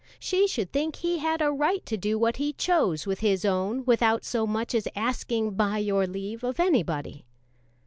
She should think he had a right to do what he chose with his own without so much as asking "by your leave" of anybody.